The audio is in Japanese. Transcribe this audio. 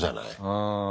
うん。